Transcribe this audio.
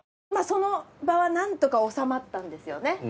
その場はなんとか収まったんですよね。